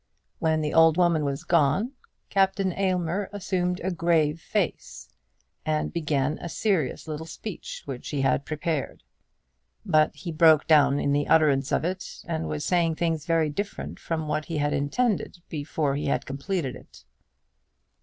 When the old woman was gone, Captain Aylmer assumed a grave face, and began a serious little speech which he had prepared. But he broke down in the utterance of it, and was saying things very different from what he had intended before he had completed it.